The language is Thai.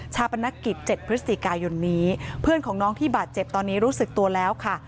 ปนักกิจ๗พฤศจิกายนนี้เพื่อนของน้องที่บาดเจ็บตอนนี้รู้สึกตัวแล้วค่ะ